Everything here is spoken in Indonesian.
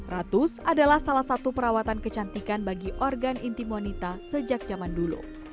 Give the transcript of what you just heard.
ratus adalah salah satu perawatan kecantikan bagi organ intimonita sejak zaman dulu